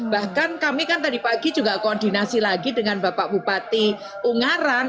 bahkan kami kan tadi pagi juga koordinasi lagi dengan bapak bupati ungaran